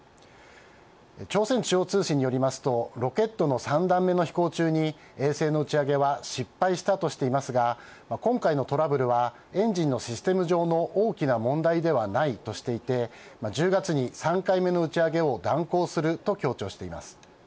朝鮮中央通信によりますとロケットの３段目の飛行中に衛星の打ち上げは失敗したとしていますが今回のトラブルはエンジンのシステム上の大きな問題ではないとしていて１０月に３回目の打ち上げを断行すると強調しています。